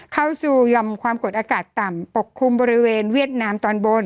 เข้าสู่ยอมความกดอากาศต่ำปกคลุมบริเวณเวียดนามตอนบน